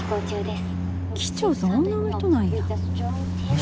機長さん女の人なんや。